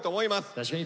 確かに！